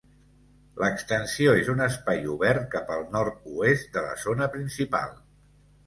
L'Extensió és un espai obert cap al nord-oest de la zona principal.